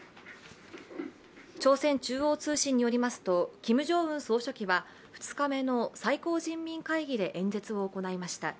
朝鮮中央通信によりますと、キム・ジョンウン総書記は２日目の最高人民会議で演説を行いました。